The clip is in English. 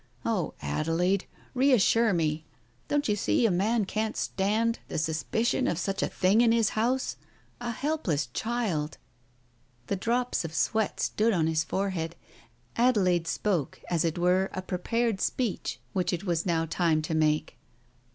... Oh, Adelaide, reassure me, don't you see a man can't stand the Digitized by Google THE TIGER SKIN 285 suspicion of such a thing in his house? A helpless child. ..." The drops of sweat stood on his forehead. Adelaide spoke, as it were a prepared speech, which it was now time to make.